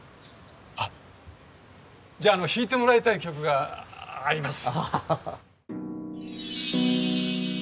あっじゃあ弾いてもらいたい曲があります。